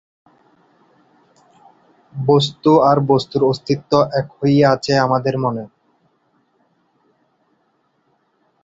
বস্তু আর বস্তুর অস্তি ত্ব এক হইয়া আছে আমাদের মনে।